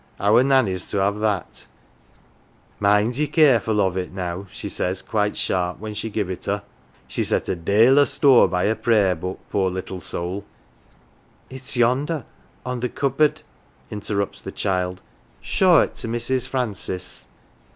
Our Nanny^s to have that, ' Mind ye're careful of it now, 1 she says quite sharp when she give it her. She set a dale o' store by her Prayer book, poor little soul " It's yonder on the cupboard," interrupts the child. " Show it to Mrs. Francis."